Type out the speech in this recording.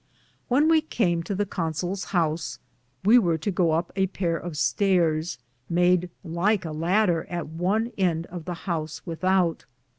When we came to the Consols house, we weare to go up a pare of staires, made lyke a ladder at one end of the house withoute.